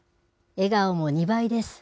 笑顔も２倍です。